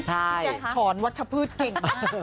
ใช่ถอนวัชพฤษกินมาก